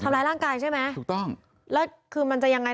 ร่างกายใช่ไหมถูกต้องแล้วคือมันจะยังไง